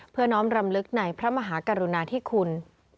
เพื่อน้องรำลึกในพระมหากรุณาที่คุณ